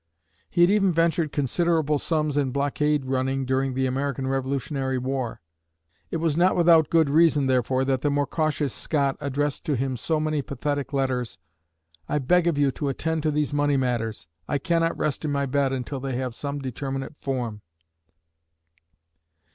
He had even ventured considerable sums in blockade running during the American Revolutionary War. It was not without good reason, therefore, that the more cautious Scot addressed to him so many pathetic letters: "I beg of you to attend to these money matters. I cannot rest in my bed until they have some determinate form."